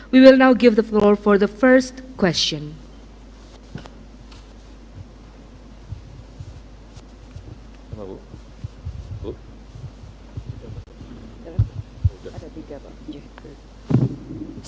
kami akan memberikan papan untuk pertanyaan pertama